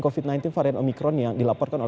maupun angka orang yang dirawat rumah sakit